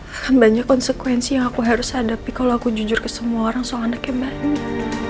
akan banyak konsekuensi yang aku harus hadapi kalau aku jujur ke semua orang soal anak yang baik